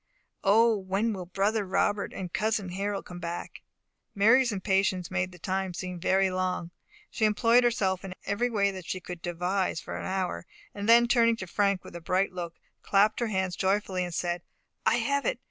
O, when will brother Robert and cousin Harold come back!" Mary's impatience made the time seem very long. She employed herself in every way that she could devise for an hour, and then, turning to Frank with a bright look, clapped her hands joyfully, and said, "I have it!